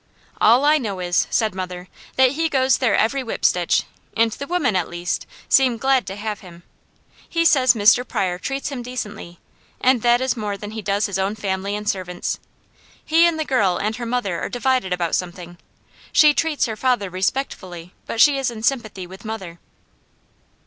"All I know is," said mother, "that he goes there every whipstitch, and the women, at least, seem glad to have him. He says Mr. Pryor treats him decently, and that is more than he does his own family and servants. He and the girl and her mother are divided about something. She treats her father respectfully, but she's in sympathy with mother."